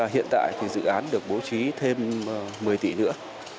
hiện tại thì dự án được bố trí thêm một mươi tỷ nữa